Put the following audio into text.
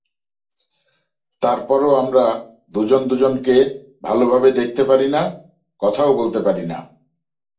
তারপরও আমরা দুজন দুজনকে ভালোভাবে দেখতে পারি না, কথাও বলতে পারি না।